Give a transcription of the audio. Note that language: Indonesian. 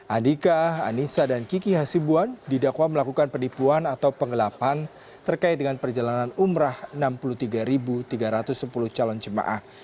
andika anissa dan kiki hasibuan didakwa melakukan penipuan atau pengelapan terkait dengan perjalanan umrah enam puluh tiga tiga ratus sepuluh calon jemaah